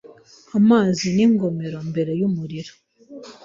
Amazi n'ingomero mbere yumuriro